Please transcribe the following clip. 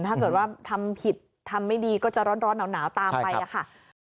ถ้าเกิดว่าทำผิดทำไม่ดีก็จะร้อนหนาวตามไปค่ะ